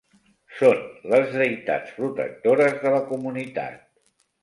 Són les deïtats protectores de la comunitat.